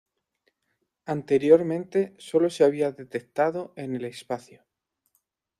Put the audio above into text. Anteriormente sólo se había detectado en el espacio.